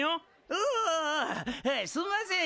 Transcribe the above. おおすんません。